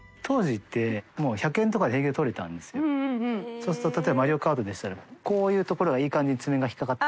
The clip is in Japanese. そうすると例えばマリオカートでしたら海ΔいΔ箸海蹐いい感じに爪が引っかかって。